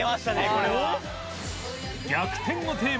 これは。